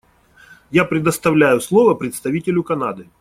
Я предоставляю слово представителю Канады.